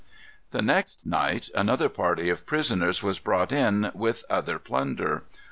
The next night another party of prisoners was brought in, with other plunder.